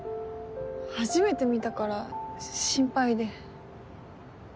初めて見たから心配で。